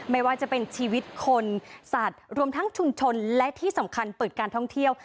ไม่ว่าจะเป็นชีวิตคนสัตว์รวมทั้งชุมชนและที่สำคัญเปิดการท่องเที่ยว